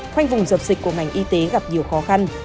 khoanh vùng dập dịch của ngành y tế gặp nhiều khó khăn